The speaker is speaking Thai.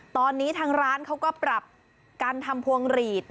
ตอนนี้ทางร้านเขาก็ปรับการทำพวงหลีด